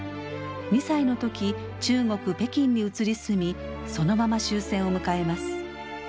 ２歳の時中国・北京に移り住みそのまま終戦を迎えます。